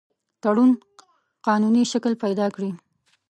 تړون قانوني شکل پیدا کړي.